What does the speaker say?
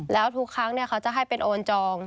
แล้วทุกครั้งเขาจะให้เป็นโอนจอง